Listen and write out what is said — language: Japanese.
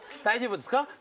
大丈夫ですか？